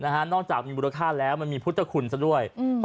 นะฮะนอกจากมีบริษัทแล้วมันมีพุทธคุณซะด้วยอืม